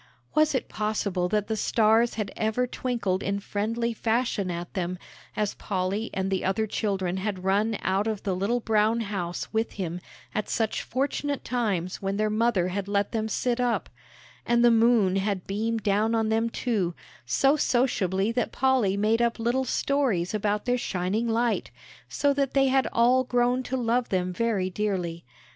Was it possible that the stars had ever twinkled in friendly fashion at them, as Polly and the other children had run out of the little brown house with him at such fortunate times when their mother had let them sit up; and the moon had beamed down on them too, so sociably that Polly made up little stories about their shining light, so that they had all grown to love them very dearly.